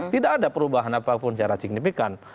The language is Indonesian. tidak ada perubahan apapun secara signifikan